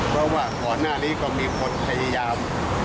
เพราะว่าก่อนหน้านี้ก็มีคนพยายาม